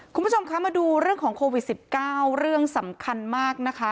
คุณผู้ชมคะมาดูเรื่องของโควิด๑๙เรื่องสำคัญมากนะคะ